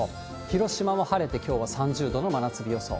広島も晴れて、きょうは３０度の真夏日予想。